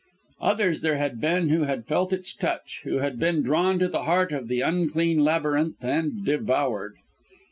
Others there had been who had felt its touch, who had been drawn to the heart of the unclean labyrinth and devoured.